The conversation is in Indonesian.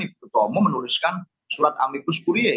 ibu ketua umum menuliskan surat amnitus curiae